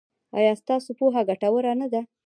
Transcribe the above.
ایا ستاسو پوهه ګټوره نه ده؟